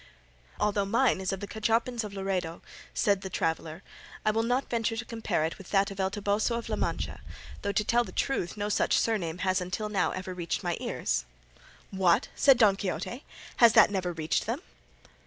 '" "Although mine is of the Cachopins of Laredo," said the traveller, "I will not venture to compare it with that of El Toboso of La Mancha, though, to tell the truth, no such surname has until now ever reached my ears." "What!" said Don Quixote, "has that never reached them?"